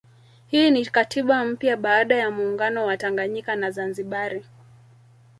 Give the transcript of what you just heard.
Hii ni katiba mpya baada ya muungano wa Tanganyika na Zanzibari